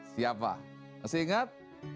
siapa masih ingat